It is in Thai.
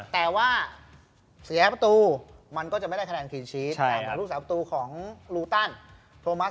แต่ว่าเซฟไป๘ครั้งนะ